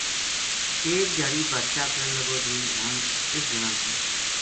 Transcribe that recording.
ایک دھیاڑی بادشاہ کہن لگو جی ہن اس جنا کی